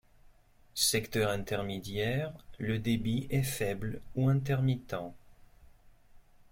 Secteur intermédiaire, le débit est faible ou intermittent.